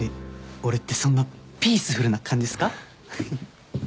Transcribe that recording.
俺ってそんなピースフルな感じっすか？